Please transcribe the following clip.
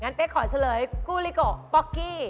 งั้นเก๊กขอเฉลยตุ้เนคกุริโกปอกกี้